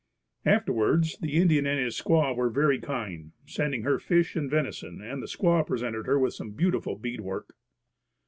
Afterwards the Indian and his squaw were very kind, sending her fish and venison and the squaw presented her with some beautiful bead work.